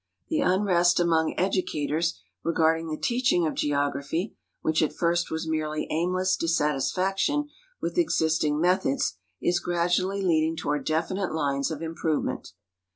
The unrest among educators regarding the teaching of geography, which at tirst was merely aimless dissatisfaction with existing methods, is gradually leading toward definite lines of iuiprovement.